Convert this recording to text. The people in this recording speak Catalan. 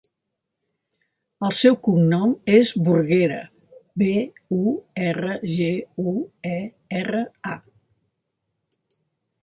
El seu cognom és Burguera: be, u, erra, ge, u, e, erra, a.